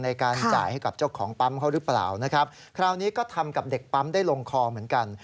ในการจ่ายให้กับเจ้าของปั๊มเขาหรือเปล่านะครับคราวนี้ก็ทำกับเด็กปั๊มได้ลงคอเหมือนกัน